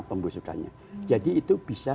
pembusukannya jadi itu bisa